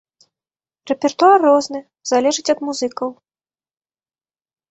Рэпертуар розны, залежыць ад музыкаў.